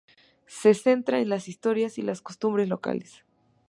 Se centra en la historia y las costumbres locales.